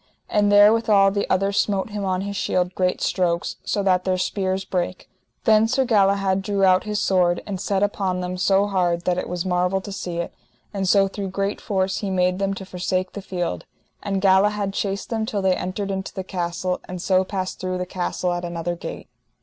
And therewithal the other smote him on his shield great strokes, so that their spears brake. Then Sir Galahad drew out his sword, and set upon them so hard that it was marvel to see it, and so through great force he made them to forsake the field; and Galahad chased them till they entered into the castle, and so passed through the castle at another gate.